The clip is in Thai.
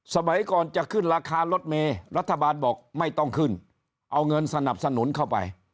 สมัยก่อนจะขึ้นราคารถเมย์รัฐบาลบอกไม่ต้องขึ้นเอาเงินสนับสนุนเข้าไป